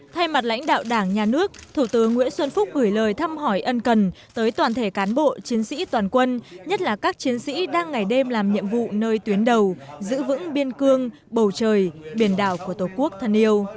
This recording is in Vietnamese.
thay mặt lãnh đạo đảng nhà nước thủ tướng nguyễn xuân phúc gửi lời thăm hỏi ân cần tới toàn thể cán bộ chiến sĩ toàn quân nhất là các chiến sĩ đang ngày đêm làm nhiệm vụ nơi tuyến đầu giữ vững biên cương bầu trời biển đảo của tổ quốc thân yêu